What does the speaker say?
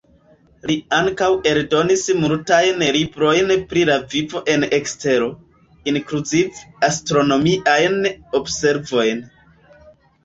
Li ankaŭ eldonis multajn librojn pri la vivo en ekstero, inkluzive astronomiajn observojn.